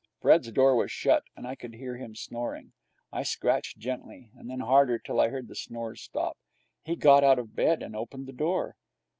Fred's door was shut, and I could hear him snoring. I scratched gently, and then harder, till I heard the snores stop. He got out of bed and opened the door.